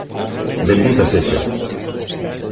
Benvida sexa.